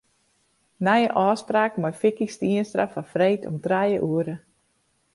Nije ôfspraak mei Vicky Stienstra foar freed om trije oere.